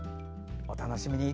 お楽しみに。